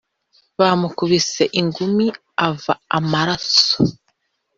Bamukubise ingumi ava amaraso